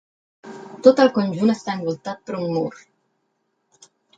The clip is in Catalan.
Tot el conjunt està envoltat per un mur.